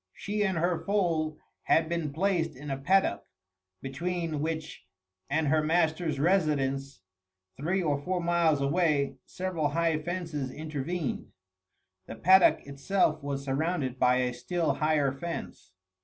She and her foal had been placed in a paddock, between which and her master's residence, three or four miles away, several high fences intervened. The paddock itself was surrounded by a still higher fence.